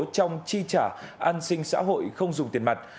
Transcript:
trong chi trả an sinh xã hội không dùng tiền mặt